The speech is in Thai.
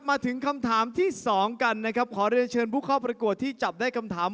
มาถึงคำถามที่๒กันขอให้เชิญผู้เข้าประกวดที่จับได้คำถาม